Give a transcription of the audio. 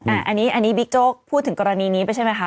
อันนี้บิ๊กโจ๊กพูดถึงกรณีนี้ไปใช่ไหมคะ